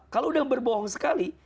kalau sudah berbohong sekali